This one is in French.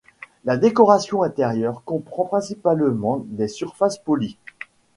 La décoration intérieure comprend principalement des surfaces polies.